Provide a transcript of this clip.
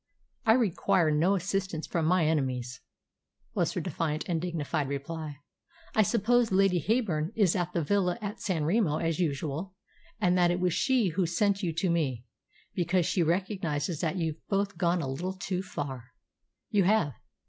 "I require no assistance from my enemies," was her defiant and dignified reply. "I suppose Lady Heyburn is at the villa at San Remo as usual, and that it was she who sent you to me, because she recognises that you've both gone a little too far. You have.